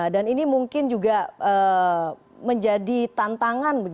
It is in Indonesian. dan ini mungkin juga menjadi tantangan